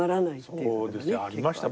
そうですね。ありました。